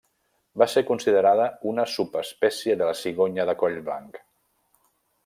Va ser considerada una subespècie de la cigonya de coll blanc.